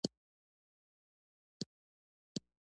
د افغانیت د بحث پرځای باید خپلو خلکو ته امکانات ورکړو.